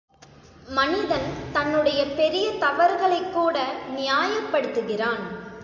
மனிதன் தன்னுடைய பெரிய தவறுகளைக் கூட நியாயப்படுத்துகிறான்.